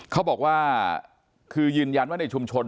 ก็ยืนยันว่าในชุมชน